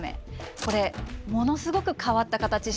これものすごく変わった形してますよね。